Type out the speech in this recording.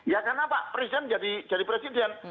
ya karena pak presiden jadi presiden